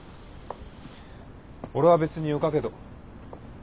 俺は別によかけど。